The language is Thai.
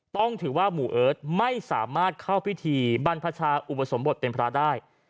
ต้องถือว่าหมู่เอิร์ทไม่สามารถเข้าพิธีบรรพชาอุปสมบทเป็นพระได้